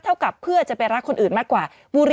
เท่ากับเพื่อจะไปรักคนอื่นมากกว่าบุรี